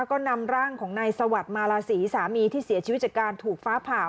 ก็นำร่างของนายสวัสดิ์มาลาศรีสามีที่เสียชีวิตจากการถูกฟ้าผ่า